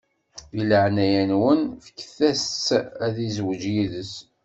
Di leɛnaya-nwen, fket-as-tt ad izweǧ yid-s.